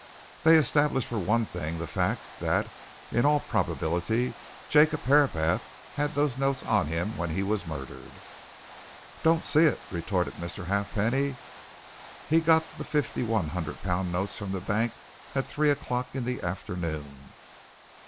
They establish for one thing the fact that, in all probability, Jacob Herapath had those notes on him when he was murdered." "Don't see it," retorted Mr. Halfpenny. "He got the fifty one hundred pound notes from the bank at three o'clock in the afternoon.